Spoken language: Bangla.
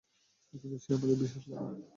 কিন্তু সে আমাদের বিশেষ লেখক।